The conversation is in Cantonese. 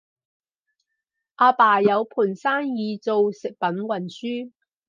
阿爸有盤生意做食品運輸